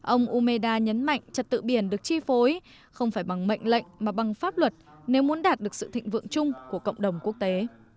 ông umeda nhấn mạnh trật tự biển được chi phối không phải bằng mệnh lệnh mà bằng pháp luật nếu muốn đạt được sự thịnh vượng chung của cộng đồng quốc tế